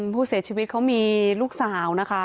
ผู้เสียชีวิตเขามีลูกสาวนะคะ